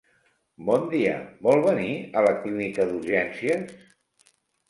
Bon dia, vol venir a la clínica d'urgències?